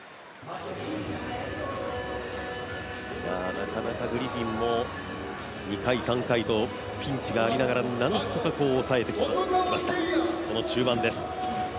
なかなかグリフィンも２回、３回とピンチもありながらなんとかおさえてきました、この中盤です。